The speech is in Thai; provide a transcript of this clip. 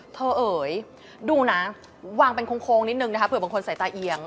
เอ๋ยดูนะวางเป็นโค้งนิดนึงนะคะเผื่อบางคนใส่ตาเอียง